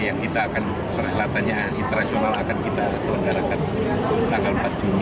yang kita akan perhelatannya internasional akan kita selenggarakan tanggal empat juni